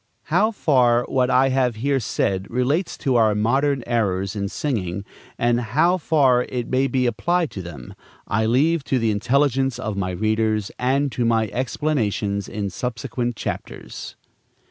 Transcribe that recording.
How far what I have here said relates to our modern errors in singing, and how far it may be applied to them, I leave to the intelligence of my readers and to my explanations in subsequent chapters.